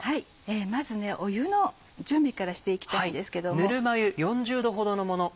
まず湯の準備からしていきたいんですけども。